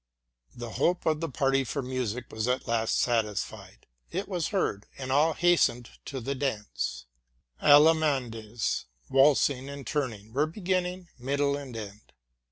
The company's hope of having some musie was at last satis fied: it was heard, and all hastened to the dance. Allemandes, waltzing and turning, were beginning, middle and end.